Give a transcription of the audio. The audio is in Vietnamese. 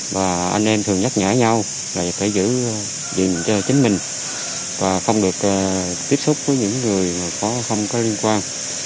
và anh em thường nhắc nhở nhau là phải giữ gìn cho chính mình và không được tiếp xúc với những người không có liên quan